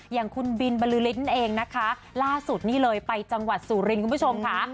อย่างคุณบินบรือฤทธิ์เองนะคะล่าสุดนี่เลยไปจังหวัดสุรินทร์คุณผู้ชมค่ะ